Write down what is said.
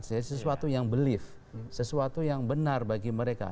jadi sesuatu yang belief sesuatu yang benar bagi mereka